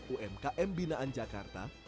umkm binaan jakarta